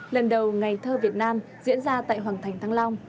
lần đầu ngày thơ việt nam diễn ra tại hoàng thành thăng long